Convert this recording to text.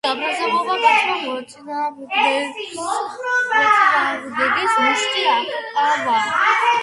გაბრაზებულმა კაცმა მოწინააღმდეგეს მუშტი ააყბავა.